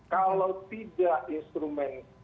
kalau tidak instrumen